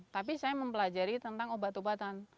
tapi saya mempelajari tentang obat obatan